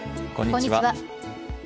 こんにちは。